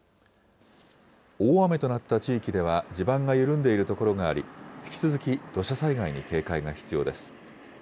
大雨となった地域では地盤が緩んでいる所があり、引き続き土砂災害に警戒が必要です。